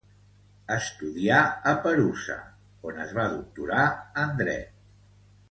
Estudià a Perusa, on es va doctorar en Dret.